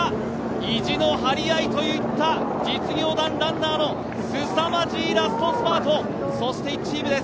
意地の張り合いといった実業団ランナーのすさまじいラストスパート、そしてチームです。